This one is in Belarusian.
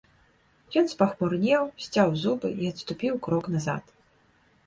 Ён спахмурнеў, сцяў зубы і адступіў крок назад.